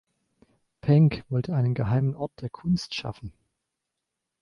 Penck wollte einen geheimen Ort der Kunst schaffen.